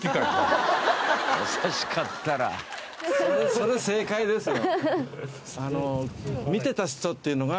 それ正解ですよ。